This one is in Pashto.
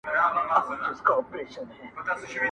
• ښه وو تر هري سلگۍ وروسته دي نيولم غېږ کي.